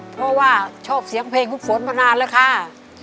เพราะว่าชอบเสียงเพลงคุณฝนมานานแล้วค่ะ